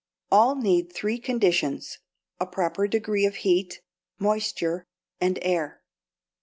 All need three conditions a proper degree of heat, moisture, and air.